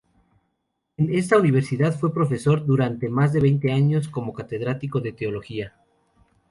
En esta universidad fue profesor durante más de veinte años, como catedrático de teología.